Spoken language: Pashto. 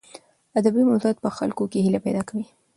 ادبي موضوعات په خلکو کې هیله پیدا کوي.